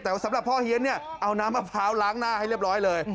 แต่ว่าสำหรับพ่อเฮียนเนี่ยเอาน้ำมะพร้าวล้างหน้าให้เรียบร้อยเลย